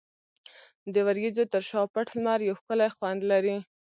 د وریځو تر شا پټ لمر یو ښکلی خوند لري.